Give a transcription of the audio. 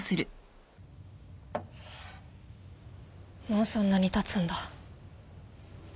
もうそんなにたつんだ。